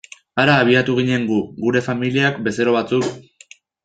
Hara abiatu ginen gu, gure familiak, bezero batzuk...